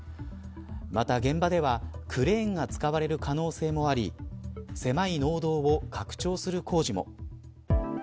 また、現場ではクレーンが使われる可能性もあり狭い農道を拡張する工事も。